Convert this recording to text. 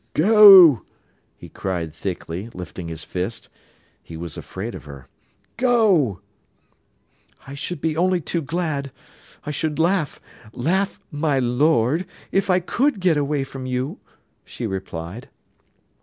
"Go," he cried thickly, lifting his fist. He was afraid of her. "Go!" "I should be only too glad. I should laugh, laugh, my lord, if I could get away from you," she replied.